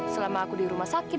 selama aku di rumah sakit